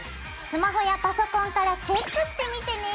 スマホやパソコンからチェックしてみてね。